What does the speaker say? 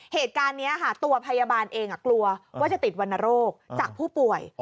เหตุการณ์นี้ค่ะตัวพยาบาลเองกลัวว่าจะติดวรรณโรคจากผู้ป่วย